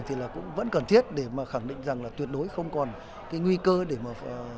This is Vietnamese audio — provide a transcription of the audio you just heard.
thì là cũng vẫn cần thiết để mà khẳng định rằng là tuyệt đối không còn cái nguy cơ để mà